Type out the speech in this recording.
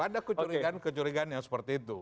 ada kecurigaan kecurigaan yang seperti itu